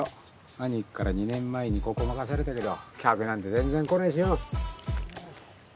兄貴から２年前にここ任されたけど客なんて全然来ねえしよ。